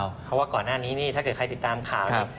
เพราะว่าก่อนหน้านี้นี่ถ้าเกิดใครติดตามข่าวเนี่ย